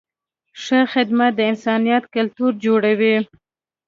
ښه خدمت د انسانیت کلتور جوړوي.